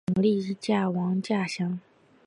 其妹朱仲丽嫁王稼祥。